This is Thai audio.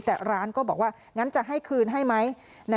แต่ร้านก็บอกว่างั้นจะให้คืนให้ไหม